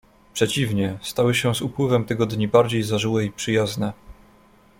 "Przeciwnie, stały się z upływem tygodni bardziej zażyłe i przyjazne."